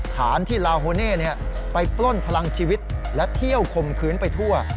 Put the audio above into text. ฐานที่ลาโฮเน่ไปปล้นพลังชีวิตและเที่ยวคมคืนไปทั่ว